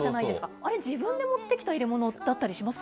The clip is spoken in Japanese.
あれ、自分で持ってきた入れ物だったりしますか？